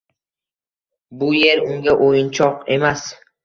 Bu yer unga o'yinchok emas